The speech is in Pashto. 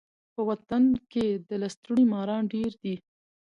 په وطن کي د لستوڼي ماران ډیر دي.